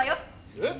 えっ？